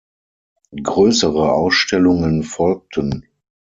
Größere Ausstellungen folgten.